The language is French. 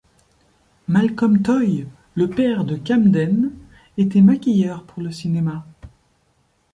Malcolm Toy, le père de Camden, était maquilleur pour le cinéma.